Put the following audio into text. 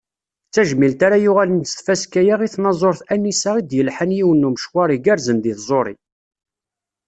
D tajmilt ara yuɣalen s tfaska-a i tnaẓurt Anisa i d-yelḥan yiwen n umecwar igerrzen di tẓuri.